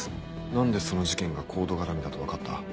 何でその事件がＣＯＤＥ絡みだと分かった？